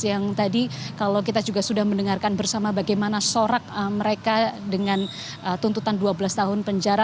yang tadi kalau kita juga sudah mendengarkan bersama bagaimana sorak mereka dengan tuntutan dua belas tahun penjara